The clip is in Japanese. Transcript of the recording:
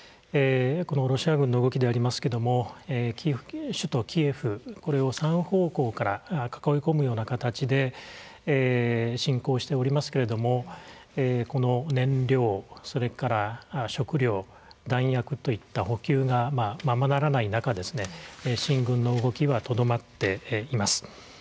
このロシア軍の動きでありますけども首都キエフ、これを３方向から囲い込むような形で侵攻しておりますけれどもこの燃料、それから食料それから弾薬といった補給がままならない中進軍の動きはとどまっています。